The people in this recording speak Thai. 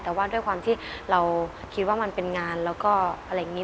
แต่ว่าด้วยความที่เราคิดว่ามันเป็นงานแล้วก็อะไรอย่างนี้